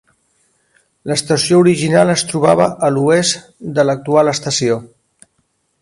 L'estació original es trobava a l'oest de l'actual estació.